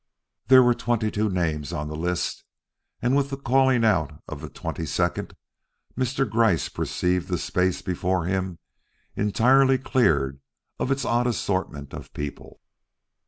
There were twenty two names on the list, and with the calling out of the twenty second, Mr. Gryce perceived the space before him entirely cleared of its odd assortment of people.